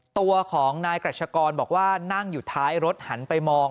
ตัวของนายกรัชกรบอกว่านั่งอยู่ท้ายรถหันไปมอง